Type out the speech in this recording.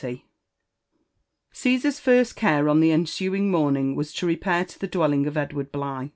Casar*s first care on the ensuing morning was to repair to the dwelling of Edward Bligh.